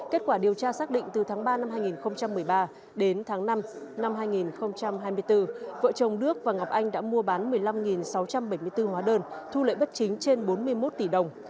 kết quả điều tra xác định từ tháng ba năm hai nghìn một mươi ba đến tháng năm năm hai nghìn hai mươi bốn vợ chồng đức và ngọc anh đã mua bán một mươi năm sáu trăm bảy mươi bốn hóa đơn thu lệ bất chính trên bốn mươi một tỷ đồng